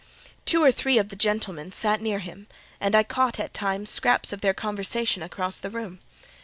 Two or three of the gentlemen sat near him, and I caught at times scraps of their conversation across the room.